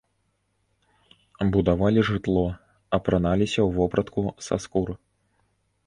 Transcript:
Будавалі жытло, апраналіся ў вопратку са скур.